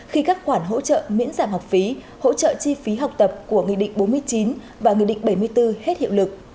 khi các khoản hỗ trợ miễn giảm học phí hỗ trợ chi phí học tập của nghị định bốn mươi chín và nghị định bảy mươi bốn hết hiệu lực